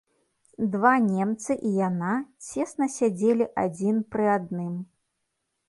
Два немцы і яна цесна сядзелі адзін пры адным.